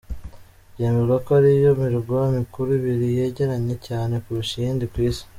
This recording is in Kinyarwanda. Byemezwa ko ari yo mirwa mikuru ibiri yegeranye cyane kurusha iyindi ku isi.